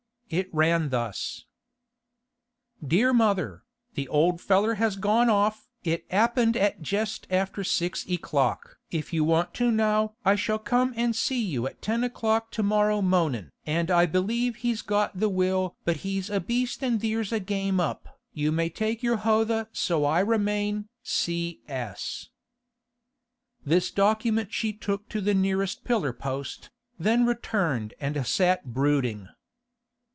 It ran thus: 'DEAR MOTHER,—The old feller has gawn off, it apened at jest after six e'clock if you want to now I shall come and sea you at ten 'clock to morow moning, and I beleve hes got the will but hes a beest and theers a game up, you may take your hothe so I remain C. S.' This document she took to the nearest pillar post, then returned and sat brooding.